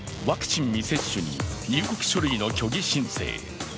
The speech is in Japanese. ワクチン未接種に入国書類の虚偽申請。